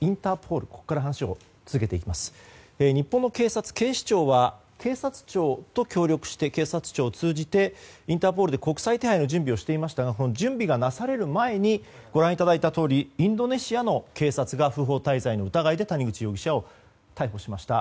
日本の警察、警視庁は警察庁と協力して警察庁を通じてインターポールで国際手配の準備をしていましたが準備がなされる前にご覧いただいたとおりインドネシアの警察が不法滞在の疑いで谷口容疑者を逮捕しました。